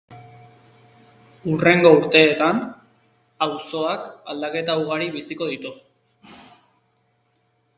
Hurrengo urteetan auzoak aldaketa ugari biziko ditu.